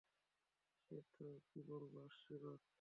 তো কী বলবো, আশীর্বাদ?